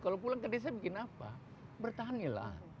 kalau pulang ke desa bikin apa bertanilah